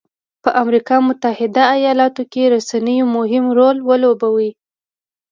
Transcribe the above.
په امریکا متحده ایالتونو کې رسنیو مهم رول ولوباوه.